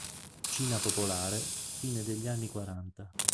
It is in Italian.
Cina Popolare, fine degli anni quaranta.